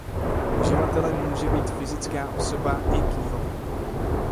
Uživatelem může být fyzická osoba i knihovna.